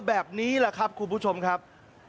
แบบนี้แหละครับคุณผู้ชมครับ